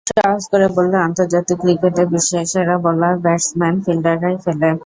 সহজ করে বললে, আন্তর্জাতিক ক্রিকেটে বিশ্বের সেরা বোলার, ব্যাটসম্যান, ফিল্ডাররাই খেলে।